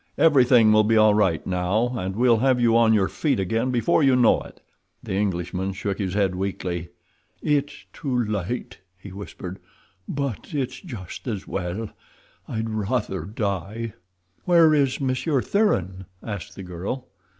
Everything will be all right now, and we'll have you on your feet again before you know it." The Englishman shook his head weakly. "It's too late," he whispered. "But it's just as well. I'd rather die." "Where is Monsieur Thuran?" asked the girl.